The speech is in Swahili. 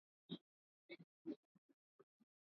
zikiwa zimebaki siku arobaini na nne tu